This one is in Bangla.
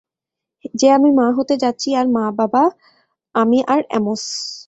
যে আমি মা হতে যাচ্ছি, আর মা-বাবা আমি আর অ্যামোস।